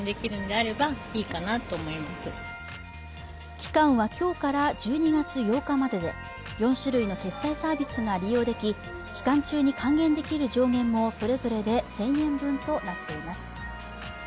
期間は、今日から１２月８日までで４種類の決済サービスが利用でき期間中に還元できる上限もそれぞれで１０００円分となっています。